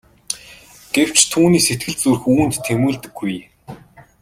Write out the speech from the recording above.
Гэвч түүний сэтгэл зүрх үүнд тэмүүлдэггүй.